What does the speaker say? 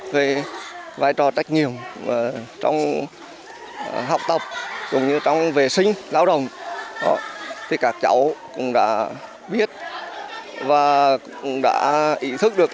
về vai trò trách nhiệm trong học tập cũng như trong vệ sinh giáo đồng các cháu cũng đã biết và cũng đã ý thức được